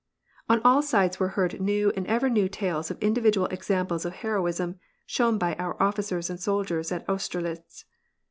On all sides were heard new and ever new tales of individ ual examples of heroism, shown by our officers and soldiers at Austerlitz.